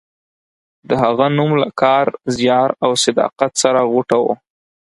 د هغه نوم له کار، زیار او صداقت سره غوټه و.